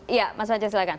iya mas manja silahkan